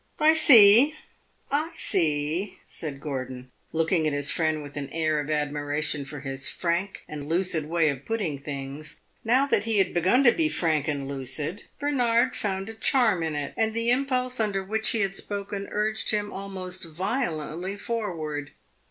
"I see I see," said Gordon, looking at his friend with an air of admiration for his frank and lucid way of putting things. Now that he had begun to be frank and lucid, Bernard found a charm in it, and the impulse under which he had spoken urged him almost violently forward.